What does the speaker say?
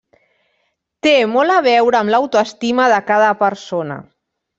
Té molt a veure amb l'autoestima de cada persona.